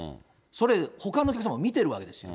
それ、ほかのお客さんも見てるわけですよ。